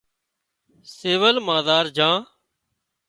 سول مان زار جھان